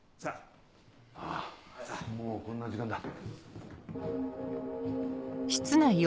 あぁもうこんな時間だ。